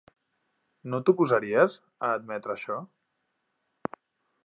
No t'oposaries a admetre això?